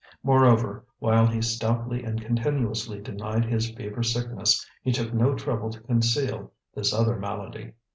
Moreover, while he stoutly and continuously denied his fever sickness, he took no trouble to conceal this other malady.